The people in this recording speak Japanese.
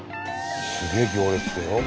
すげえ行列だよ。